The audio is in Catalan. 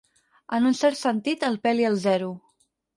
En un cert sentit, el peli al zero.